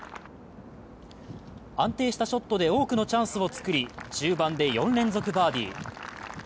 安定したショットで多くのチャンスを作り、中盤で４連続バーディー。